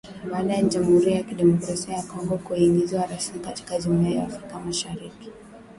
Baada ya Jamhuri ya Kidemokrasia ya Kongo kuingizwa rasmi katika Jumuiya ya Afrika Mashariki, wafanyabiashara nchini Uganda wamehamasika